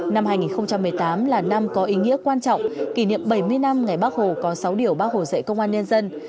năm hai nghìn một mươi tám là năm có ý nghĩa quan trọng kỷ niệm bảy mươi năm ngày bắc hồ có sáu điều bác hồ dạy công an nhân dân